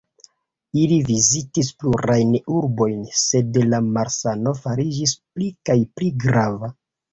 Ili vizitis plurajn urbojn, sed la malsano fariĝis pli kaj pli grava.